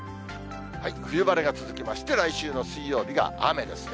冬晴れが続きまして、来週の水曜日が雨ですね。